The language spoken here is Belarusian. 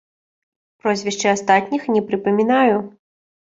Прозвішчы астатніх не прыпамінаю.